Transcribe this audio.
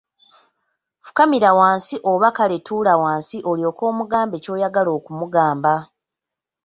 Fukamira wansi oba kale tuula wansi olyoke omugambe ky'oyagala okumugamba.